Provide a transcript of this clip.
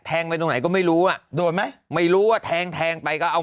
ไปตรงไหนก็ไม่รู้อ่ะโดนไหมไม่รู้ว่าแทงแทงไปก็เอา